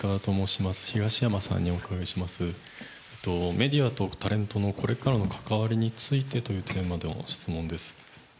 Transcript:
メディアとタレントのこれからの関わりについてというテーマでの質問です。